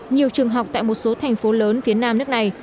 nhiều trường học tại một số thành phố lớn phía nam nước này